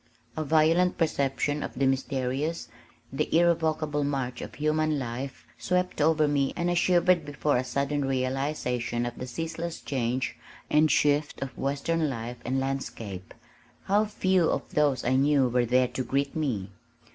A violent perception of the mysterious, the irrevocable march of human life swept over me and I shivered before a sudden realization of the ceaseless change and shift of western life and landscape. How few of those I knew were there to greet me!